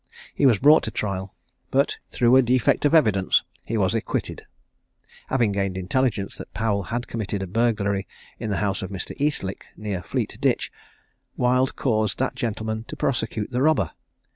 He was brought to trial; but through a defect of evidence he was acquitted. Having gained intelligence that Powel had committed a burglary in the house of Mr. Eastlick, near Fleet Ditch, Wild caused that gentleman to prosecute the robber.